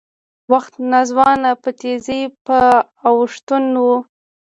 وخت ناځوانه په تېزۍ په اوښتون و